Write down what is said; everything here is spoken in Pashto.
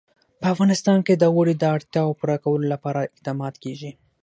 په افغانستان کې د اوړي د اړتیاوو پوره کولو لپاره اقدامات کېږي.